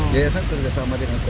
yayasan kerjasama dengan kopi